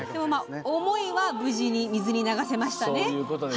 思いは無事に水に流せましたね。